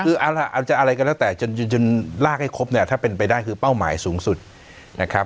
คือเอาล่ะอาจจะอะไรก็แล้วแต่จนลากให้ครบเนี่ยถ้าเป็นไปได้คือเป้าหมายสูงสุดนะครับ